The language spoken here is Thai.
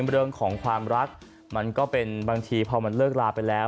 เรื่องของความรักมันก็เป็นบางทีพอมันเลิกลาไปแล้ว